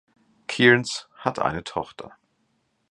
Kearns hat eine Tochter.